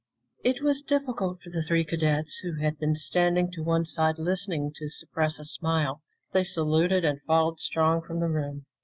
It was difficult for the three cadets, who had been standing to one side listening, to suppress a smile. They saluted and followed Strong from the room.